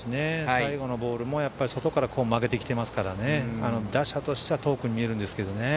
最後のボールも外から曲げてきてますからね打者としては遠く見えるんですけどね。